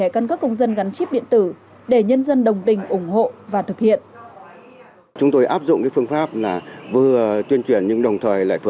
cấp trên cho